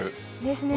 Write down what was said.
ですね。